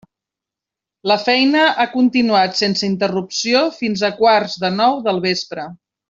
La feina ha continuat sense interrupció fins a quarts de nou del vespre.